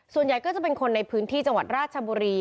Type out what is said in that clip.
ส่วนใหญ่ก็จะเป็นคนในพื้นที่จังหวัดราชบุรี